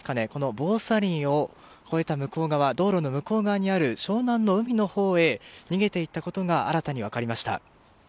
防砂林を越えた向う側道路の向こう側にある湘南の海のほうへ逃げていったことが新たに分かりました。